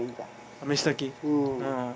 あ飯炊き。